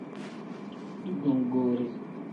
Dugongoore.